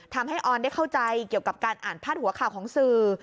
ออนได้เข้าใจเกี่ยวกับการอ่านพาดหัวข่าวของสื่อ